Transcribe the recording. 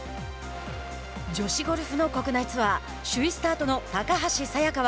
女子ゴルフの国内ツアー首位スタートの高橋彩華。